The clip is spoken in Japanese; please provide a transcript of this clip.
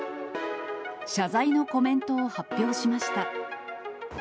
謝罪のコメントを発表しました。